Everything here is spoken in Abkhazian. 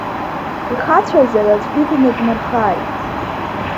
Ихацәазар аӡәгьы дныдмырхааит…